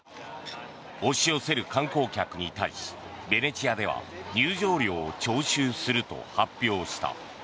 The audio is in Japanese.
押し寄せる観光客に対しベネチアでは入場料を徴収すると発表した。